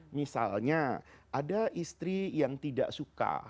misalnya ada istri yang tidak suka